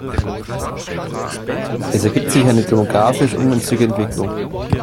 Es ergibt sich eine demographisch ungünstige Entwicklung.